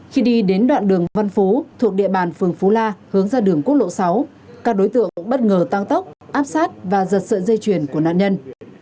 khi đi đến đoạn đường văn phú thuộc địa bàn phường phú la hướng ra đường quốc lộ sáu các đối tượng bất ngờ tăng tốc áp sát và giật sợi dây chuyền của nạn nhân